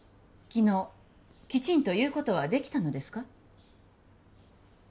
昨日きちんと言うことはできたのですか？